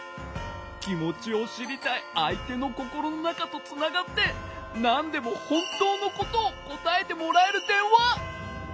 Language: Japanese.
きもちをしりたいあいてのこころのなかとつながってなんでもほんとうのことをこたえてもらえるでんわ。